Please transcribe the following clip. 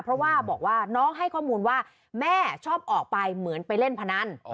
เพราะว่าบอกว่าน้องให้ข้อมูลว่าแม่ชอบออกไปเหมือนไปเล่นพนัน